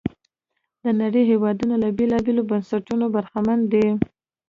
د نړۍ هېوادونه له بېلابېلو بنسټونو برخمن دي.